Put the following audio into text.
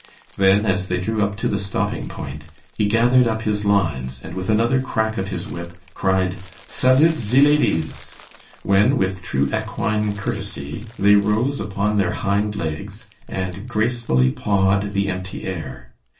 Then, as they drew up to the stopping point, he gathered up his lines, and with another crack of his whip, cried, "Salute ze ladies!" when, with true equine courtesy, they rose upon their hind legs and gracefully pawed the empty air.